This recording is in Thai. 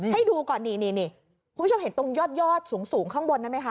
ให้ดูก่อนนี่คุณผู้ชมเห็นตรงยอดสูงข้างบนนั้นไหมคะ